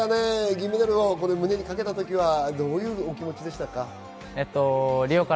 胸にかけたときはどういう気持ちでしたか？